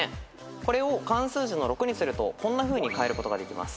これを漢数字の六にするとこんなふうにかえることができます。